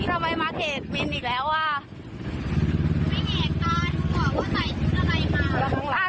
ทำไมมาเขตวินอีกแล้วน่ะการบอกว่าใส่ชุดอะไรมา